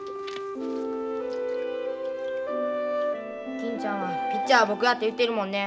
金ちゃんはピッチャーは僕やて言うてるもんね。